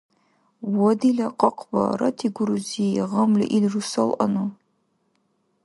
– Ва дила къакъба, ратигу рузи, гъамли ил русалъанну.